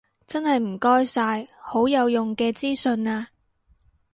真係唔該晒，好有用嘅資訊啊